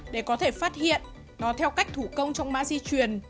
để có thể phát hiện nó theo cách thủ công trong mã di truyền